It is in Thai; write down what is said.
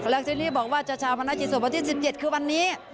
แล้วที่นี่บอกว่าจะชาวพนักกิจศพวันที่๑๗คือวันนี้